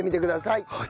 はい。